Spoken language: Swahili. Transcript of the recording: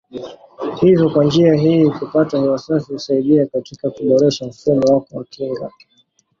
Hivyo kwa njia hii kupata hewa safi husaidia katika kuboresha mfumo wako wa kinga.